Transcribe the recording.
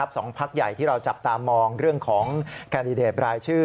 สองพักใหญ่ที่เราจับตามองเรื่องของแคนดิเดตรายชื่อ